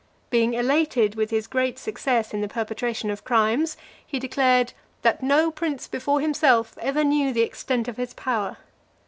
Being elated with his great success in the perpetration of crimes, he declared, "that no prince before himself ever knew the extent of his power."